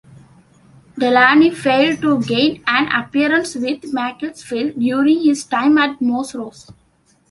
Delany failed to gain an appearance with Macclesfield during his time at Moss Rose.